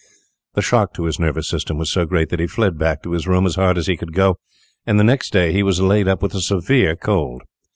The shock to his nervous system was so great that he fled back to his room as hard as he could go, and the next day he was laid up with a severe cold.